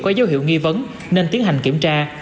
có dấu hiệu nghi vấn nên tiến hành kiểm tra